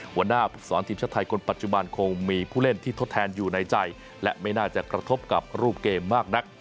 หัวหน้าภูมิสอนทีมชาติไทยคนปัจจุบันคงมีผู้เล่นที่ทดแทนอยู่ในใจและไม่น่าจะกระทบกับรูปเกมมากนัก